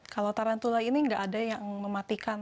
kalau tarantula ini nggak ada yang mematikan